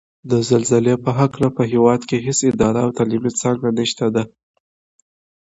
د زلزلې په هکله په هېواد کې هېڅ اداره او تعلیمي څانګه نشته ده